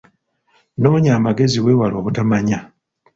Noonya amagezi weewale obutamanya.